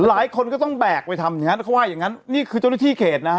หลายคนก็ต้องแบกผิดไปทำอย่างนั้นเขาพูดอย่างนั้นนี้คือจนที่เขตนะ